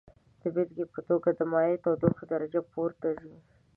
د بیلګې په توګه د مایع تودوخې درجه پورته ځي.